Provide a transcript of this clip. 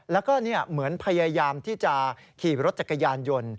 แล้วก็เหมือนพยายามที่จะขี่รถจักรยานยนต์